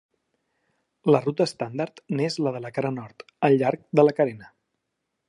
La ruta estàndard n'és la de la cara nord, al llarg de la carena.